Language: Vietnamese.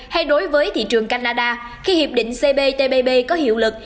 hay đối với thị trường canada khi hiệp định cptpp có hiệu lực